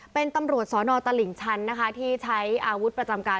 เป็นตำรวจสนตลิ่งชันนะคะที่ใช้อาวุธประจำการ